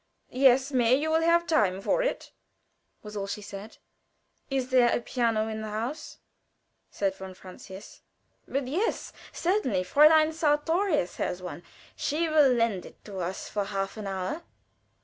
"Yes, May; you will have time for it," was all she said. "Is there a piano in the house?" said von Francius. "But, yes, certainly. Fräulein Sartorius has one; she will lend it to us for half an hour.